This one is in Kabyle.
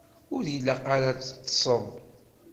Ur ilaq ara ad teṭṭseḍ.